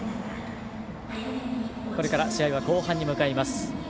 これから試合は後半に向かいます。